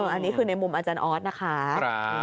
อันนี้คือในมุมอาจารย์ออสนะคะ